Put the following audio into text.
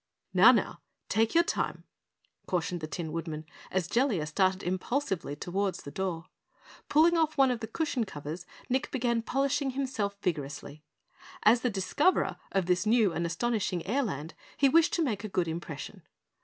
"Now, now! Take your time," cautioned the Tin Woodman, as Jellia started impulsively toward the door. Pulling off one of the cushion covers Nick began polishing himself vigorously. As the discoverer of this new and astonishing airland, he wished to make a good impression.